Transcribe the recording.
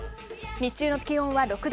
日中の気温は６度。